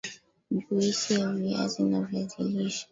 Juisi ya viazi ya viazi lishe